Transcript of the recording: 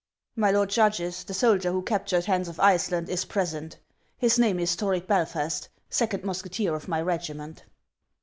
" My lord judges, the soldier who captured Hans of Ice land is present. His name is Toric Belfast, second mus keteer of my regiment."